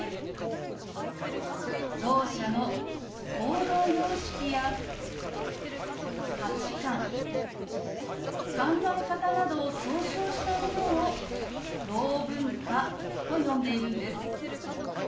ろう者の行動様式や価値観考え方などを総称したものをろう文化と呼んでいるんです。